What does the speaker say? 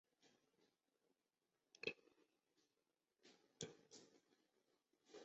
圣维森特角是位于葡萄牙西南部一处向大西洋突出的海岬。